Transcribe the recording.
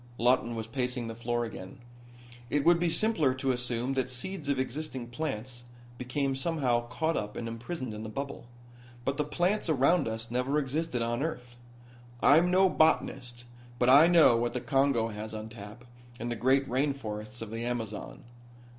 Lawton was pacing the floor again. "It would be simpler to assume that seeds of existing plants became somehow caught up and imprisoned in the bubble. But the plants around us never existed on earth. I'm no botanist, but I know what the Congo has on tap, and the great rain forests of the Amazon."